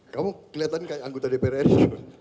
kamu kelihatan kayak anggota dpr ri